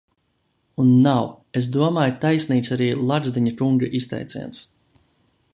Un nav, es domāju, taisnīgs arī Lagzdiņa kunga izteiciens.